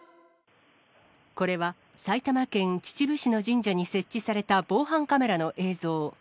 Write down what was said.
これは埼玉県秩父市の神社に設置された防犯カメラの映像。